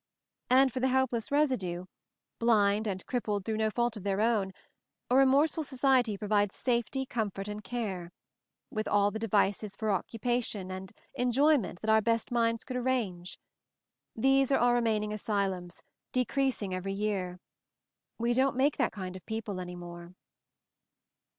And for the helpless residue; blin(l and crippled through no fault of their own, a remorseful society provides safety, comfort and care; with all the devices for occupation and en joyment that our best minds could arrange. These are our remaining asylums; decreas ing every year. We don't make that kind of people any more."